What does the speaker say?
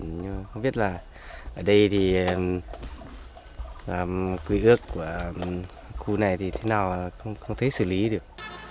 nhưng không biết là ở đây thì quy ước của khu này thì thế nào không thấy xử lý được